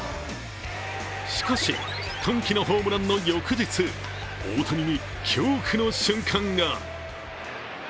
しかし、歓喜のホームランの翌日、大谷に恐怖の瞬間が。